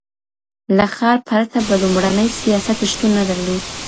له ښار پرته به لومړنی سياست شتون نه درلود.